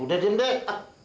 udah diam deh